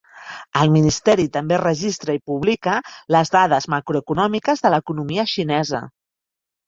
El ministeri també registra i publica les dades macroeconòmiques de l'economia xinesa.